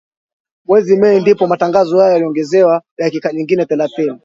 Mwezi Mei ndipo matangazo hayo yaliongezewa dakika nyingine thelathini